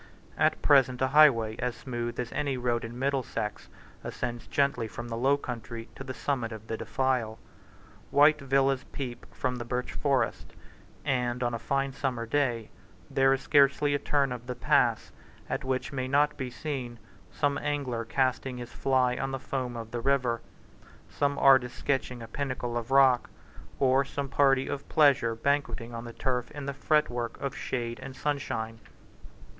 At present a highway as smooth as any road in Middlesex ascends gently from the low country to the summit of the defile. White villas peep from the birch forest; and, on a fine summer day, there is scarcely a turn of the pass at which may not be seen some angler casting his fly on the foam of the river, some artist sketching a pinnacle of rock, or some party of pleasure banqueting on the turf in the fretwork of shade and sunshine.